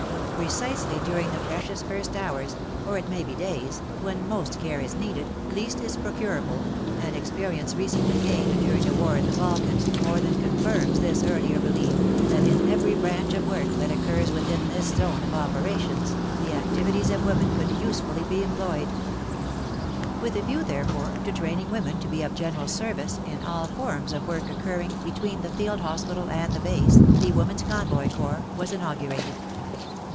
Precisely during the precious first hours, or it may be days, when most care is needed, least is procurable, and experience recently gained during the war in the Balkans more than confirms this earlier belief, that in every branch of work that occurs within this zone of opera tions, the activities of women could usefully be employed. With a view, therefore, to training women to be of general service in all forms of work occur ring between the field hospital and the base, the Women's Convoy Corps was inaugurated.